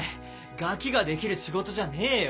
ガキができる仕事じゃねえよ。